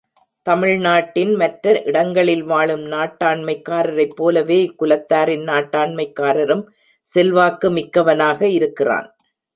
தமிழ் நாட்டின் மற்ற இடங்களில் வாழும் நாட்டாண்மைக்காரரைப் போலவே, இக்குலத்தாரின் நாட்டாண்மைக்காரனும் செல்வாக்கு மிக்கவனாக இருக்கிறான்.